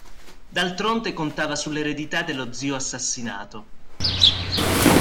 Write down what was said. D'altronde contava sull'eredità dello zio assassinato.